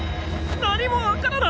何も分からない！